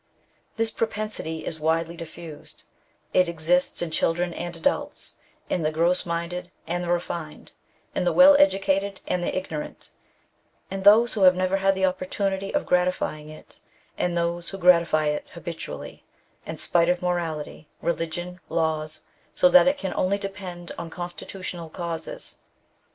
This propensity is widely diffused ; it exists in children and adults, in the gross minded and the refined, in the well educated and the ignorant, in those who have never had the opportunity of gratifying it, and those who gratify it habitually, in spite of morality, religion, laws, so that it can only depend on constitu tional causes.